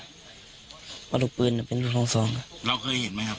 กระดูกปืนเป็นลูกทองสองเราเคยเห็นไหมครับ